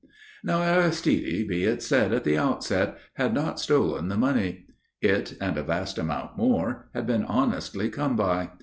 Now, Aristide, be it said at the outset, had not stolen the money. It (and a vast amount more) had been honestly come by.